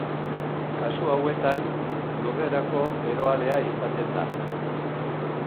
Kasu hauetan lurrerako eroalea izaten da.